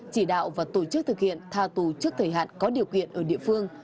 chỉ đạo và tổ chức thực hiện tha tù trước thời hạn có điều kiện ở địa phương